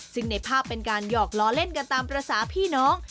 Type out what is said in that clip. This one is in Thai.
ซึ่งในภาพเป็นการหยอกล้อเล่นกันตามภาษาพี่น้อง